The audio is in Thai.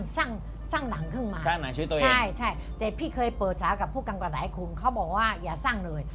สร้างหลังขึ้นมาสร้างหลังชีวิตตัวเองใช่แต่พี่เคยเปิดสารกับผู้กำกัดเล่นหลังคุณเขาบอกว่าอย่าสร้างเลย